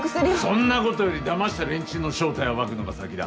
そんなことよりだました連中の正体を暴くのが先だ。